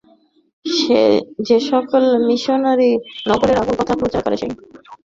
যে-সকল missionary নরকের আগুনের কথা প্রচার করে, সকলে তাদের ভয়ের চোখে দেখে।